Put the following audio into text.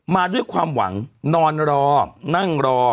มาด้วยความหวังนอนรอนั่งรอ